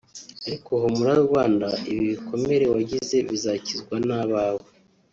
Ariko humura Rwanda ibi bikomere wagize bizakizwa n’abawe